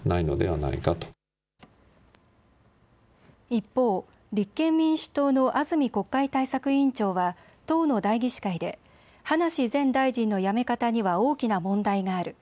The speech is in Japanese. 一方、立憲民主党の安住国会対策委員長は党の代議士会で葉梨前大臣の辞め方には大きな問題がある。